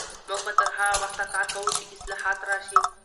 موږ به تر هغه وخته کار کوو چې اصلاحات راشي.